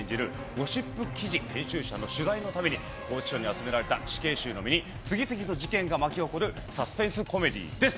ゴシップ記事編集者の取材のために拘置所に集められた死刑囚の身に次々と事件が巻き起こるサスペンスコメディーです。